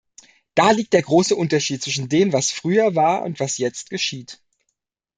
Da liegt der große Unterschied zwischen dem, was früher war, und was jetzt geschieht.